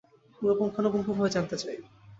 পুরো পুঙ্খানুপুঙ্খভাবে জানতে চাই।